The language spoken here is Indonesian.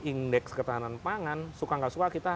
indeks ketahanan pangan suka nggak suka kita